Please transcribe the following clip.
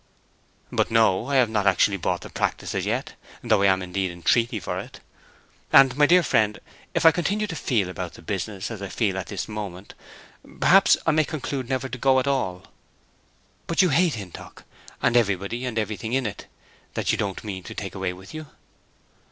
"But no, I have not actually bought the practice as yet, though I am indeed in treaty for it. And, my dear friend, if I continue to feel about the business as I feel at this moment—perhaps I may conclude never to go at all." "But you hate Hintock, and everybody and everything in it that you don't mean to take away with you?"